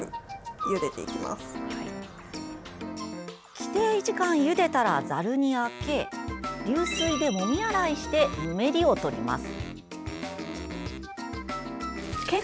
規定時間ゆでたらざるにあけ流水で、もみ洗いしてぬめりをとります。